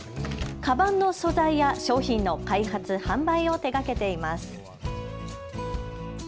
かばんの素材や商品の開発・販売を手がけています。